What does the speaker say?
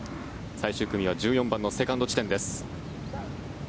最終組は１４番のセカンド地点です。